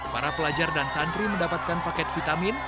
para pelajar dan santri mendapatkan paket vitamin